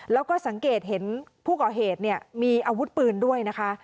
แล้วก็สังเกตเห็นผู้ก่อเหตุมีอาวุธปืนด้วยนะคะ